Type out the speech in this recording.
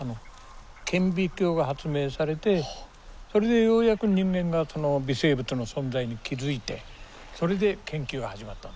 顕微鏡が発明されてそれでようやく人間が微生物の存在に気付いてそれで研究が始まったの。